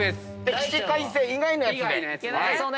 起死回生以外のやつで。